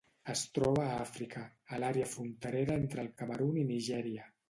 Es troba a Àfrica: a l'àrea fronterera entre el Camerun i Nigèria.